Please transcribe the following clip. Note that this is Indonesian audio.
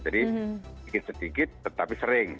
jadi sedikit sedikit tetapi sering